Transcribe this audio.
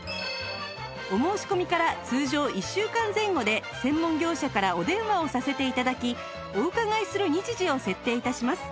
お申し込みから通常１週間前後で専門業者からお電話をさせて頂きお伺いする日時を設定致します